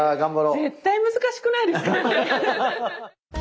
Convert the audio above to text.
絶対難しくないですかこれ。